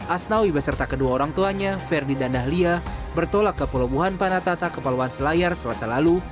asnawi beserta kedua orang tuanya ferdi dan ahlia bertolak ke pulau buhan panatata kepulauan selayar sulawesi selalu